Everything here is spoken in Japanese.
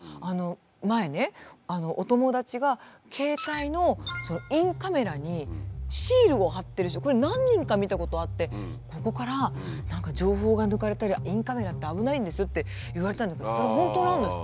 前ねお友達が携帯のインカメラにシールを貼ってる人これ何人か見たことあってここから何か情報が抜かれたり「インカメラって危ないんですよ」って言われたんだけどそれ本当なんですか？